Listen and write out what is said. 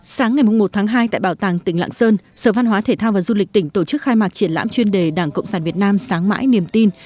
sáng ngày một tháng hai tại bảo tàng tỉnh lạng sơn sở văn hóa thể thao và du lịch tỉnh tổ chức khai mạc triển lãm chuyên đề đảng cộng sản việt nam sáng mãi niềm tin